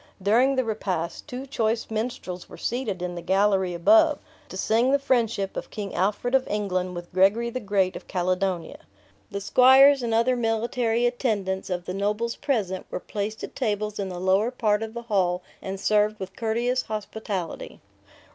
During the repast, two choice minstrels were seated in the gallery above, to sing the friendship of King Alfred of England with Gregory the Great of Caledonia. The squires and other military attendants of the nobles present, were placed at tables in the lower part of the hall, and served with courteous hospitality.